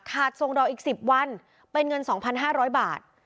ขาดส่งดอกอีกสิบวันเป็นเงินสองพันห้าร้อยบาท